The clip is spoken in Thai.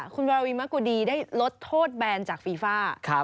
คุณวารวิมะกุดีได้ลดโทษแบนจากฟีฟ่า